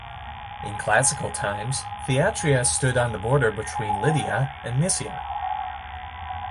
In classical times, Thyatira stood on the border between Lydia and Mysia.